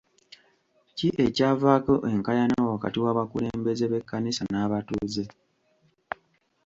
Ki ekyavaako enkaayana wakati w'abakulembeze b'ekkanisa n'abatuuze?